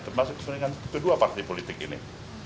termasuk kepentingan kedua partai politik ini